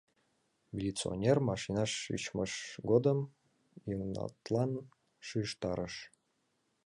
Милиционер машинаш шичмыж годым Йыгнатлан шижтарыш: